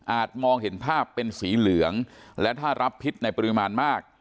มองเห็นภาพเป็นสีเหลืองและถ้ารับพิษในปริมาณมาก